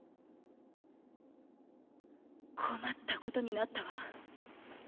困ったことになったわ。